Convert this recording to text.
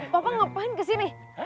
papa ngapain kesini